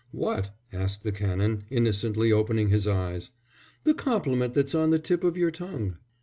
"What?" asked the Canon, innocently opening his eyes. "The compliment that's on the tip of your tongue."